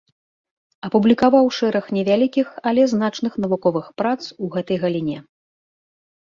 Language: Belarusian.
Апублікаваў шэраг невялікіх, але значных навуковых прац у гэтай галіне.